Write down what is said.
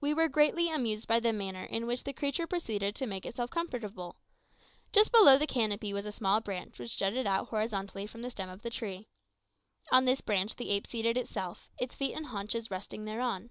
We were greatly amused by the manner in which the creature proceeded to make itself comfortable. Just below the canopy was a small branch which jutted out horizontally from the stem of the tree. On this branch the ape seated itself, its feet and haunches resting thereon.